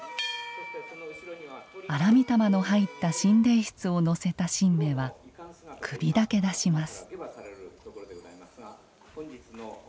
荒御魂の入った神霊櫃を載せた神馬は首だけ出します。